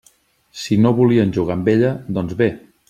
Si no volien jugar amb ella, doncs bé!